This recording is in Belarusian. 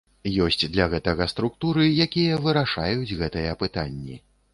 Ёсць для гэтага структуры, якія вырашаюць гэтыя пытанні.